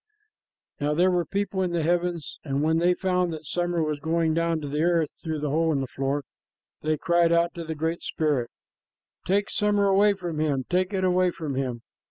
Now there were people in the heavens, and when they found that summer was going down to the earth through the hole in the floor, they cried out to the Great Spirit, "Take summer away from him, take it away from him!"